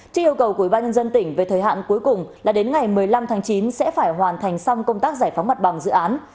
trên yêu cầu của ủy ban nhân dân tỉnh về thời hạn cuối cùng là đến ngày một mươi năm tháng chín sẽ phải hoàn thành xong công tác giải phóng mặt bằng dự án